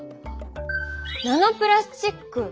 ナノプラスチック。